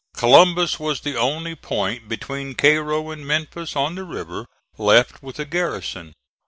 Columbus was the only point between Cairo and Memphis, on the river, left with a garrison.